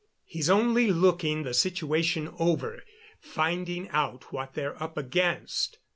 He's only looking the situation over, finding out what they're up against.